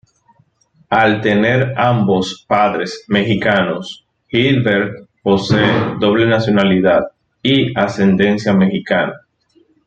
Al tener ambos padres Mexicanos, Gilbert posee doble nacionalidad, y ascendencia mexicana.